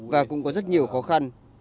và cũng có rất nhiều khó khăn